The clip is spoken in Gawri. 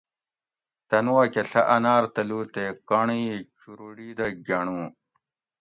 تن واکہ ڷہ انار تلو تے کنڑ ای چُوروٹی دہ گۤھنڑو